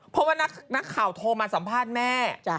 เพราะว่านักข่าวโทรมาสัมภาษณ์แม่